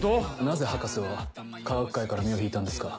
なぜ博士は科学界から身を引いたんですか？